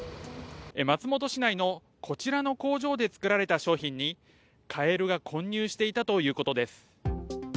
松本市内のこちらの工場で作られた商品に、カエルが混入していたということです。